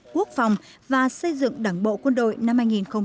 quốc phòng và xây dựng đảng bộ quân đội năm hai nghìn một mươi chín